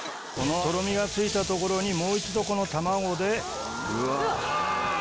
とろみがついたところにもう一度卵で。